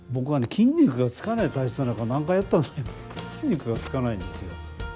筋肉がつかない体質なのか何回やっても筋肉がつかないんですよ。